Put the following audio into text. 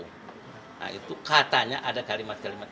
nah itu katanya ada kalimat kalimat